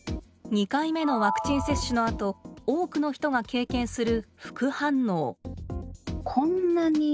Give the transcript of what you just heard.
２回目のワクチン接種のあと多くの人が経験する副反応。